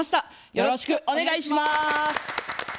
よろしくお願いします。